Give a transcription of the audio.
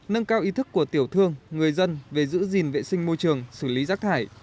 nâng cao ý thức của tiểu thương người dân về giữ gìn vệ sinh môi trường xử lý rác thải